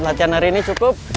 latihan hari ini cukup